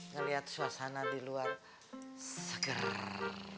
ngeliat suasana di luar segerrrrr